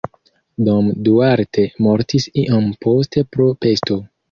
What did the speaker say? Dom Duarte mortis iom poste pro pesto.